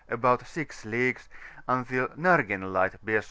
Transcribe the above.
about 6 leaffueSf until Nara^en Light bears S.